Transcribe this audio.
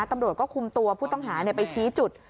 ตำรวจก็คุมตัวผู้ต้องหาไปชี้จุด